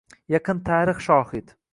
Yaqin tarix shohid.